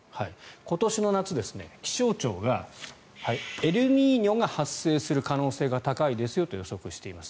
今年の夏、気象庁がエルニーニョが発生する可能性が高いですよと予測をしています。